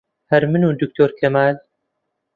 هەر من و دکتۆر کەمال